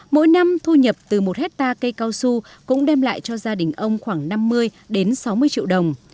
mỗi năm thu nhập từ một hectare cây cao su cũng đem lại cho gia đình ông khoảng năm mươi đến sáu mươi triệu đồng